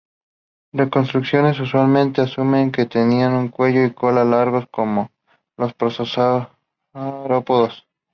Reconstrucciones usualmente asumen que tenían un cuello y cola largos como los prosaurópodos.